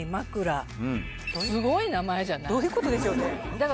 どういうこと？ですよね。